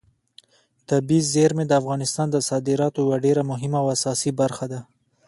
طبیعي زیرمې د افغانستان د صادراتو یوه ډېره مهمه او اساسي برخه ده.